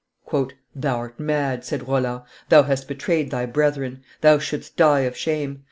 "Thou'rt mad," said Roland; "thou bast betrayed thy brethren; thou shouldst die of shame.